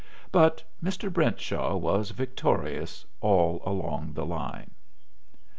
But Mr. Brentshaw was victorious all along the line.